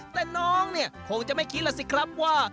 แต่น้องเนี่ยคงจะไม่คิดล่ะสิครับว่า